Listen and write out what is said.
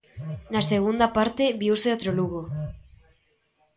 Na segunda parte viuse outro Lugo.